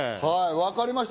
分かりました。